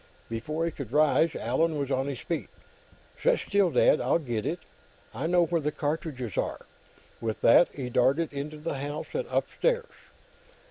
Before he could rise, Allan was on his feet. "Sit still, Dad; I'll get it. I know where the cartridges are." With that, he darted into the house and upstairs.